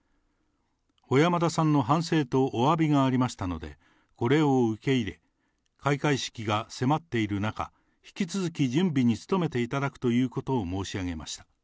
小山田さんの反省とおわびがありましたので、これを受け入れ、開会式が迫っている中、引き続き準備に努めていただくということを申し上げました。